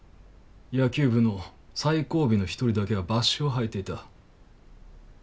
野球部の最後尾の一人だけはバッシュを履いていた。